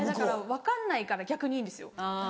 分かんないから逆にいいんですよ。